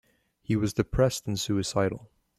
He was depressed and suicidal.